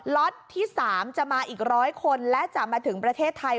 ล็อตที่๓จะมาอีก๑๐๐คนและจะมาถึงประเทศไทย